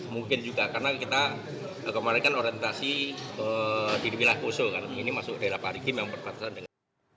mungkin juga karena kita kemarin kan orientasi di wilayah kosong karena ini masuk daerah parikim yang berpatasan dengan